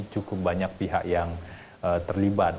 cukup banyak pihak yang terlibat